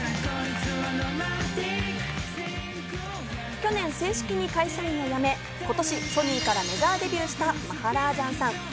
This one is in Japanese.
去年、正式に会社員を辞め、今年メジャーデビューをしたマハラージャンさん。